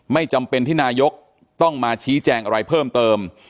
ไม่จำเป็นที่นายกต้องมาชี้แจงอะไรเพิ่มเติม